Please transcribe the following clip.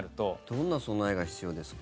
どんな備えが必要ですか？